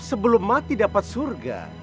sebelum mati dapat surga